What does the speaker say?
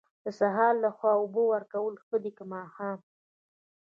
د سهار لخوا اوبه ورکول ښه دي که ماښام؟